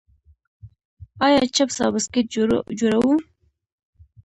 آیا چپس او بسکټ جوړوو؟